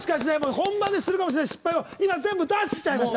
本番でするかもしれない失敗を今、全部出しちゃいました。